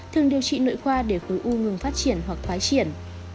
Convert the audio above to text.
thường điều trị nội khoa để khối u ngừng phát triển hoặc thoái triển